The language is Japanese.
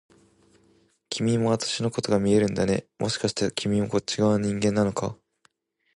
君も私のことが見えるんだね、もしかして君もこっち側の人間なのか？